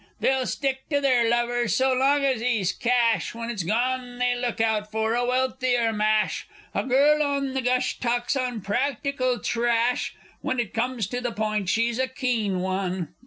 They'll stick to their lover so long as he's cash, When it's gone, they look out for a wealthier mash. A girl on the gush talks unpractical trash When it comes to the point, she's a keen one!